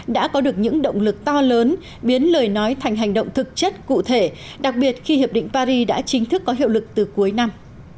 đã có được những động lực to lớn biến lời nói thành hành động thực chất cụ thể đặc biệt khi hiệp định paris đã chính thức có hiệu lực từ cuối năm